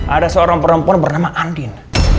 ada seorang perempuan bernama andin